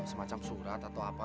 semacam surat atau apa